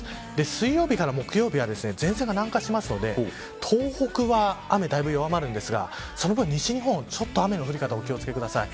水曜日から木曜日は前線が南下するので東北は雨、だいぶ弱まるんですがその分西日本、ちょっと雨の降り方にお気を付けください。